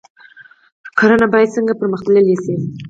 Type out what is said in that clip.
کرنه باید څنګه پرمختللې شي؟